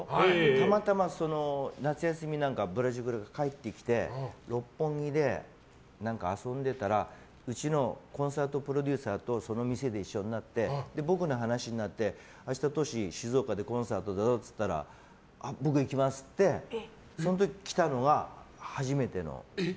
たまたま夏休みなんかでブラジルから帰ってきて六本木で遊んでたらうちのコンサートプロデューサーとその店で一緒になって、僕の話になって明日、トシ、静岡でコンサートだぞって言ったら僕、行きますって言ってその時に来たのが初めての。